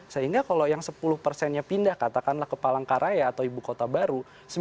sehingga kalau yang sepuluh persennya pindah katakanlah ke palangkaraya atau ibu kota baru